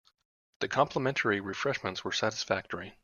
The complimentary refreshments were satisfactory.